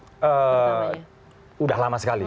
sudah lama sekali